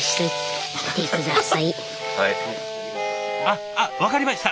あっあっ分かりました。